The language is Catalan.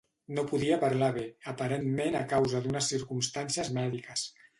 No podia parlar bé, aparentment a causa d'unes circumstàncies mèdiques.